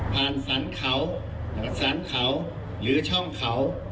สรรเขาสรรเขาหรือช่องเขา